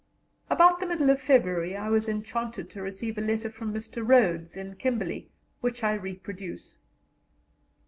About the middle of February I was enchanted to receive a letter from Mr. Rhodes, in Kimberley, which I reproduce.